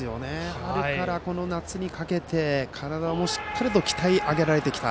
春から夏にかけて体をしっかり鍛え上げられてきた。